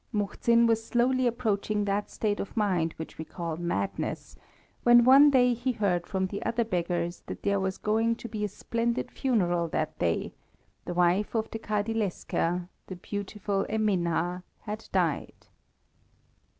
Muhzin was slowly approaching that state of mind which we call madness, when one day he heard from the other beggars that there was going to be a splendid funeral that day the wife of the Kadilesker, the beautiful Eminha, had died.